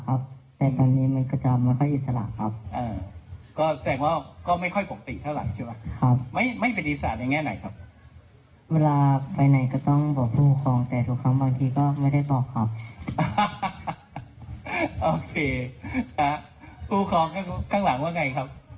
โอเคผู้ปกครองข้างหลังว่าไงครับ